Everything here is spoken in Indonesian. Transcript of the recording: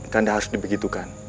kanda harus dibegitukan